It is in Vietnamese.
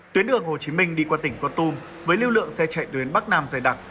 tuyến đường hồ chí minh đi qua tỉnh con tum với lưu lượng xe chạy tuyến bắc nam dài đặc